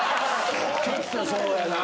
ちょっとそうやな。